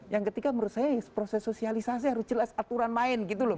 yang ketiga menurut saya proses sosialisasi harus jelas aturan main gitu loh